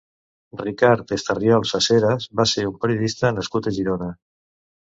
Ricard Estarriol Saseras va ser un periodista nascut a Girona.